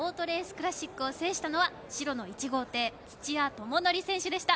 クラシックを制したのは白の１号艇・土屋智則選手でした。